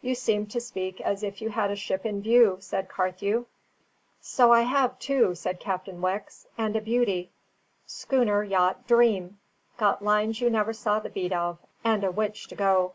"You seemed to speak as if you had a ship in view," said Carthew. "So I have, too," said Captain Wicks, "and a beauty. Schooner yacht Dream; got lines you never saw the beat of; and a witch to go.